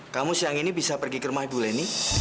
kamu siang ini bisa pergi ke rumah ibu leni